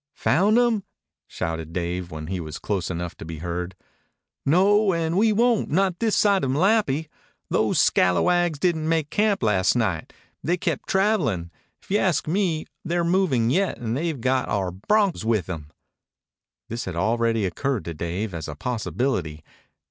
"Found 'em?" shouted Dave when he was close enough to be heard. "No, and we won't not this side of Malapi. Those scalawags didn't make camp last night. They kep' travelin'. If you ask me, they're movin' yet, and they've got our broncs with 'em." This had already occurred to Dave as a possibility.